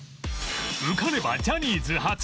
受かればジャニーズ初！